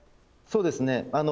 そうですね。